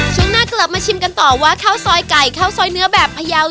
ช่วงหน้ากลับมาชิมกันต่อว่าข้าวซอยไก่ข้าวซอยเนื้อแบบพยาว